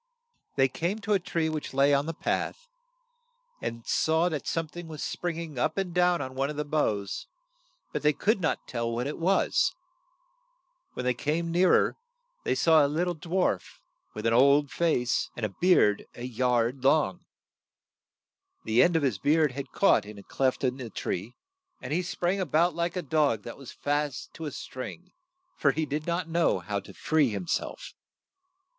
They came to a tree which lay on the path, and saw that some thing was spring ing up and down on one of the boughs, but they could not tell what it was. When they came near er, they saw a lit tle dwarf, with an DWARFS COMING OUT OF THE GROUND. 32 SNOW WHITE AND RED ROSE old face, and a beard a yard long. The end of his beard had caught in a cleft in the tree, and he sprang a bout like a dog that was fast to a string, for he did not know how to free him self.